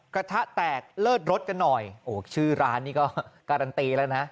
กระทะแตกเลิศรสกันหน่อยโอ้ชื่อร้านนี่ก็การันตีแล้วนะ